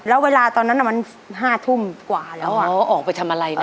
แล้วเวลาตอนนั้นมันห้าทุ่มกว่าแล้วอ่ะอ๋อออกไปทำอะไรกัน